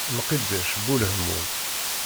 Mqidec bu lehmum.